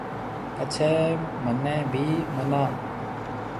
پڇيَ مهني ڀِي مَنا۔